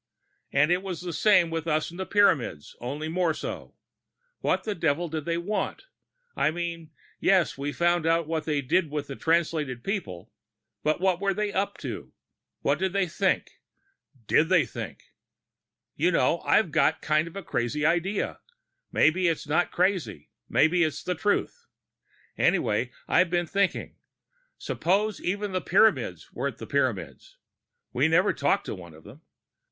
"And it was the same with us and the Pyramids, only more so. What the devil did they want? I mean, yes, we found out what they did with the Translated people. But what were they up to? What did they think? Did they think? You know, I've got a kind of a crazy idea maybe it's not crazy, maybe it's the truth. Anyway, I've been thinking. Suppose even the Pyramids weren't the Pyramids? We never talked to one of them.